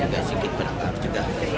juga sedikit berangkat juga